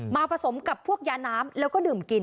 ผสมกับพวกยาน้ำแล้วก็ดื่มกิน